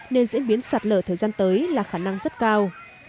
nên diễn biến sạt lở thời gian tới là khả năng rất cao